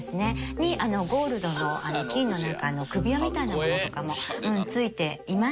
にゴールドの金の首輪みたいなものとかもついていましたので。